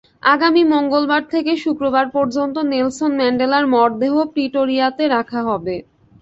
আগামী মঙ্গলবার থেকে শুক্রবার পর্যন্ত নেলসন ম্যান্ডেলার মরদেহ প্রিটোরিয়াতে রাখা হবে।